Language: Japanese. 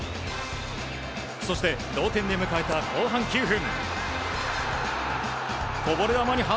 そして、同点で迎えた後半９分。